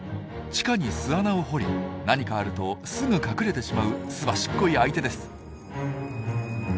地下に巣穴を掘り何かあるとすぐ隠れてしまうすばしっこい相手です。